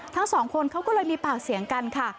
ทั้งสองคนเขาก็เลยมีปากเสียงกันค่ะ